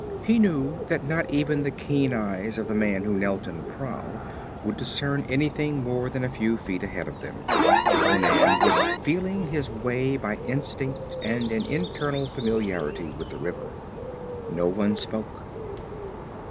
He knew that not even the keen eyes of the man who knelt in the prow would discern anything more than a few feet ahead of them. Conan was feeling his way by instinct and an intensive familiarity with the river. No one spoke.